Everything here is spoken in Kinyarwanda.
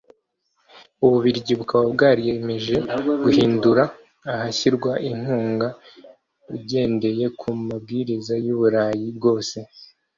u Bubiligi bukaba bwaremeje guhindura ahashyirwa inkunga igendeye ku mabwiriza y’u Burayi bwose